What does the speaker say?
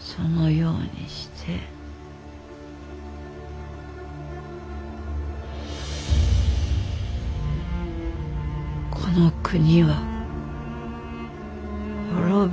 そのようにしてこの国は滅びるのじゃ。